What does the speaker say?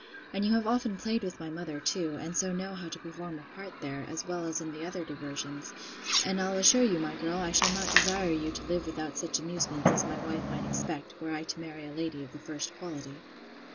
And you have often played with my mother, too, and so know how to perform a part there, as well as in the other diversions: and I'll assure you, my girl, I shall not desire you to live without such amusements, as my wife might expect, were I to marry a lady of the first quality.